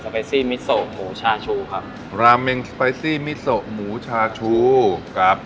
ไปซี่มิโซหมูชาชูครับราเมงสไปซี่มิโซหมูชาชูครับ